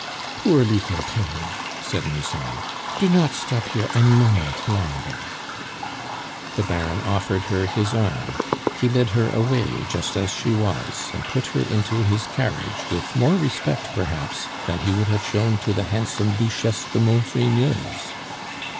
"Poor leetle ting!" said Nucingen. "Do not stop here ein moment longer." The Baron offered her his arm; he led her away just as she was, and put her into his carriage with more respect perhaps than he would have shown to the handsome Duchesse de Maufrigneuse.